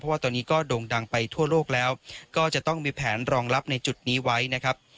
ว่าตอนนี้ก็โด่งดังไปทั่วโลกแล้วก็จะต้องมีแผนรองรับในจุดนี้ไว้นะครับ